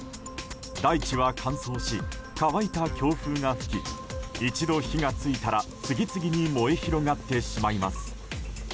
大地は乾燥し乾いた強風が吹き一度火が付いたら次々に燃え広がってしまいます。